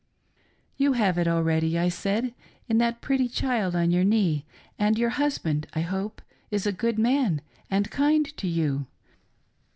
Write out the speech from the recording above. '^You have it already," I said, ' in that pretty child on. your knee, and your husband, I hope, is a good man and kind to you."